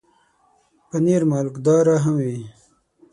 پنېر مالګهدار هم وي.